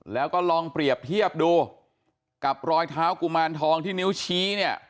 แล้วก็ลองเปรียบเทียบดูกับรอยเท้ากุมารทองที่นิ้วชี้เนี่ย